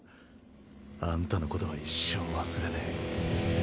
あんたのことは一生忘れねぇ。